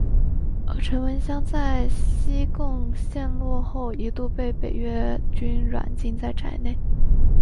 而陈文香在西贡陷落后一度被北越军软禁在宅内。